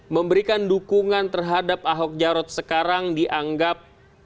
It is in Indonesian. memberikan dukungan terhadap ahok jarot sekarang dianggap